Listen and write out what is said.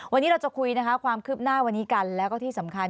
วันนี้เราจะคุยนะคะความคืบหน้าวันนี้กันแล้วก็ที่สำคัญ